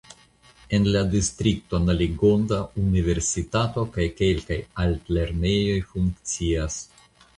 En la distrikto Naligonda universitato kaj kelkaj altlernejoj funkcias.